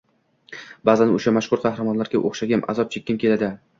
Baʼzan oʻsha mashhur qahramonlarga oʻxshagim, azob chekkim keladi.